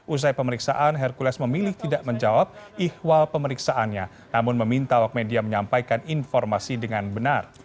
usai pemeriksaan hercules memilih tidak menjawab ihwal pemeriksaannya namun meminta wak media menyampaikan informasi dengan benar